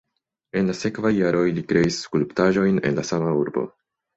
En la sekvaj jaroj li kreis skulptaĵojn en la sama urbo.